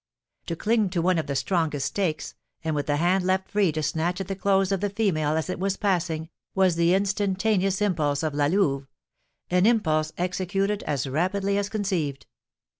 To cling to one of the strongest stakes, and with the hand left free to snatch at the clothes of the female as it was passing, was the instantaneous impulse of La Louve, an impulse executed as rapidly as conceived.